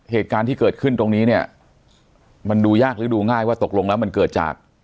เหตุการณ์ที่เกิดขึ้นตรงนี้เนี่ยมันดูยากหรือดูง่ายว่าตกลงแล้วมันเกิดจาก